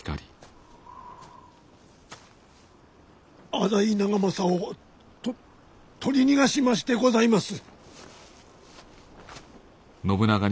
浅井長政をと取り逃がしましてございます。